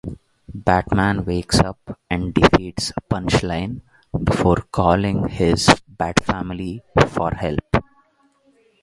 Batman wakes up and defeats Punchline before calling his Bat Family for help.